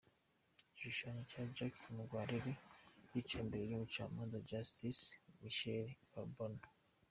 Igishushanyo cya Jacques Mungwarere yicaye imbere y’umucamanza Justice Michel Charbonneau.